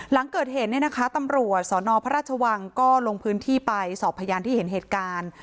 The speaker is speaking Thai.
หลังเกิดเหตุเนี่ยนะคะตำรวจสนพระราชวังก็ลงพื้นที่ไปสอบพยานที่เห็นเหตุการณ์